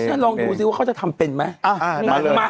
ฉันลองดูซิว่าเขาจะทำเป็นไหม